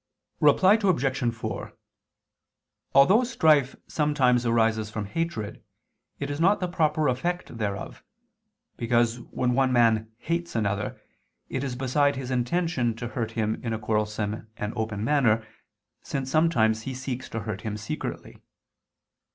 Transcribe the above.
Reply Obj. 4: Although strife sometimes arises from hatred, it is not the proper effect thereof, because when one man hates another it is beside his intention to hurt him in a quarrelsome and open manner, since sometimes he seeks to hurt him secretly.